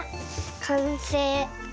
かんせい。